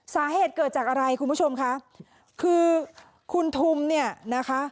สาเหตุเกิดจากอะไรคุณผู้ชมคะคือคุณทุมเนี่ยนะคะ